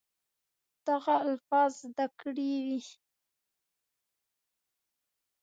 دغه الفاظ زده کړي وي